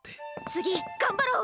次、頑張ろう！